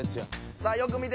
さあよく見て。